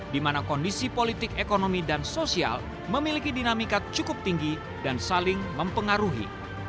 di mana kondisi politik ekonomi dan sosial memiliki dinamika cukup tinggi dan saling mempengaruhi